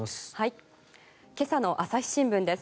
今朝の朝日新聞です。